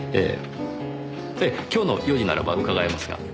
ええ今日の４時ならば伺えますが。